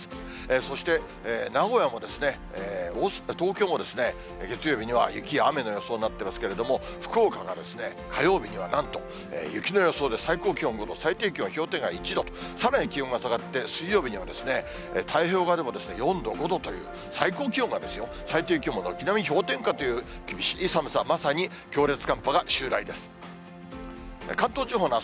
そして名古屋も東京も月曜日には雪や雨の予想になってますけれども、福岡が火曜日にはなんと雪の予想で、最高気温５度、最低気温氷点下１度と、さらに気温が下がって、水曜日には太平洋側でも４度、５度という、最高気温がですよ、最低気温も軒並み氷点下という厳しい寒さ、まさに強烈寒波が襲来です。